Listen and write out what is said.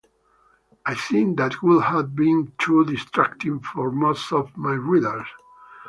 I think that would have been too distracting for most of my readers.